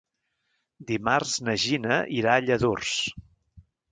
Dimarts na Gina irà a Lladurs.